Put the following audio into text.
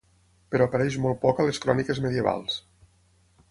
Però apareix molt poc a les cròniques medievals.